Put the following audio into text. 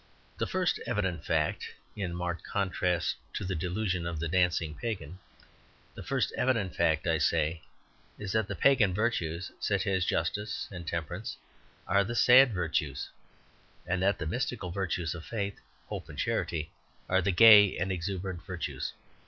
The first evident fact (in marked contrast to the delusion of the dancing pagan) the first evident fact, I say, is that the pagan virtues, such as justice and temperance, are the sad virtues, and that the mystical virtues of faith, hope, and charity are the gay and exuberant virtues.